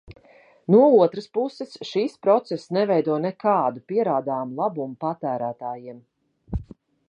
No otras puses, šis process neveido nekādu pierādāmu labumu patērētājiem.